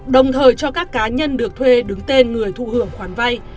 đồng thời cho các cá nhân được thuê đứng tên người thụ hưởng khoản vay